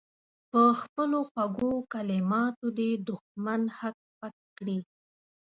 په خپلو خوږو کلماتو دې دښمن هک پک کړي.